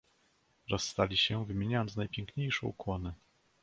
"Rozstali się, wymieniając najpiękniejsze ukłony."